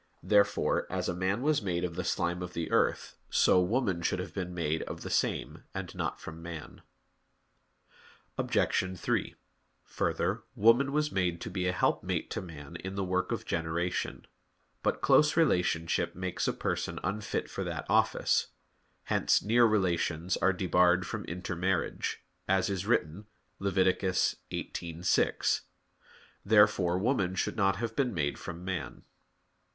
Therefore, as man was made of the slime of the earth, so woman should have been made of the same, and not from man. Obj. 3: Further, woman was made to be a helpmate to man in the work of generation. But close relationship makes a person unfit for that office; hence near relations are debarred from intermarriage, as is written (Lev. 18:6). Therefore woman should not have been made from man.